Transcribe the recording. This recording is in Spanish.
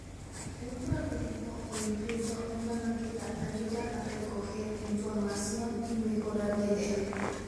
Un prototipo, o incluso una maqueta, ayuda a recoger información y mejorar la idea.